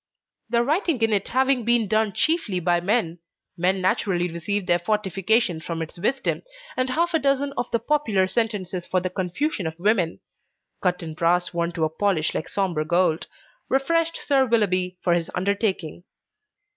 The writing in it having been done chiefly by men, men naturally receive their fortification from its wisdom, and half a dozen of the popular sentences for the confusion of women (cut in brass worn to a polish like sombre gold), refreshed Sir Willoughby for his undertaking.